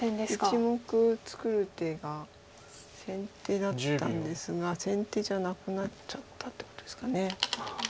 １目作る手が先手だったんですが先手じゃなくなっちゃったっていうことですか。